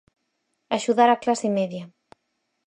Axudar a clase media.